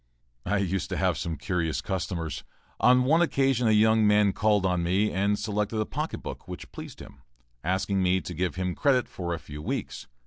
I used to have some curious customers. On one occasion a young man called on me and selected a pocket book which pleased him, asking me to give him credit for a few weeks.